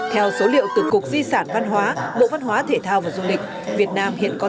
theo số liệu từ cục di sản văn hóa bộ văn hóa thể thao và du lịch